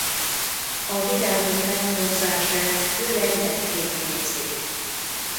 A virágok megporzását főleg lepkék végzik.